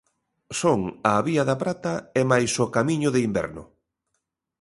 Son a Vía da Prata e mais o Camiño de Inverno.